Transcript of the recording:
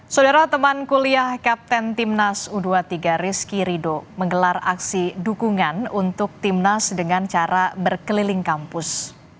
saudara teman kuliah kapten timnas u dua puluh tiga rizky rido menggelar aksi dukungan untuk timnas dengan cara berkeliling kampus